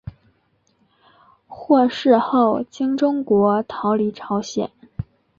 获释后经中国逃离朝鲜。